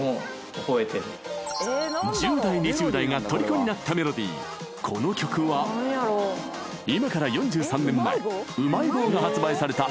１０代２０代がとりこになったメロディーこの曲は今から４３年前うまい棒が発売された